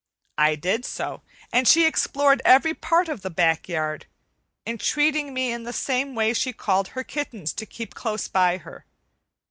I did so, and she explored every part of the back yard, entreating me in the same way she called her kittens to keep close by her.